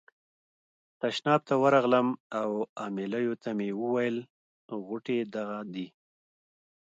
تشناب ته ورغلم او امیلیو ته مې وویل غوټې دغه دي.